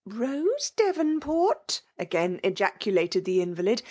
JEEoBe Devonport !'' again ejaculated the inyalid.